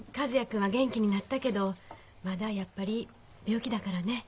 君は元気になったけどまだやっぱり病気だからね。